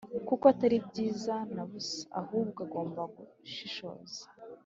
Kuko Atari byiza nabusa ahubwo agomba gushishoza.